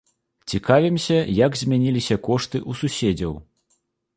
Цікавімся, як змяніліся кошты ў суседзяў.